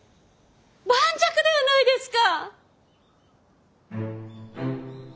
盤石ではないですか。